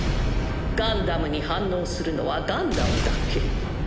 ガンダムに反応するのはガンダムだけ。